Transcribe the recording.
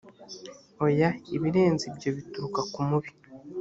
oya ibirenze ibyo bituruka ku mubi